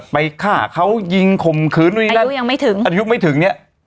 ไปฆ่าเขายิงขมขื้นอายุยังไม่ถึงอายุยังไม่ถึงเนี้ย